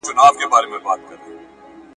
نه مي هوږه خوړلی ده او نه یې له بویه بېرېږم ,